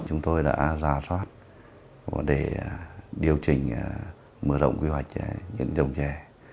chúng tôi đã ra soát để điều chỉnh mở rộng quy hoạch những trồng trè